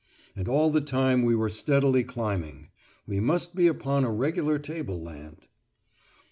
And all the time we were steadily climbing; we must be upon a regular tableland.